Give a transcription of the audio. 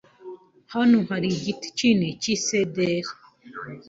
Hano hari igiti kinini cy'isederi.